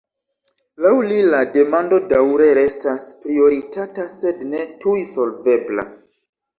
Laŭ li, la demando daŭre restas prioritata sed ne tuj solvebla.